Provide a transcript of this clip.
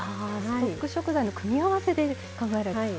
ストック食材の組み合わせで考えられてる。